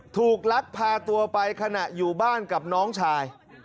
ลักพาตัวไปขณะอยู่บ้านกับน้องชาย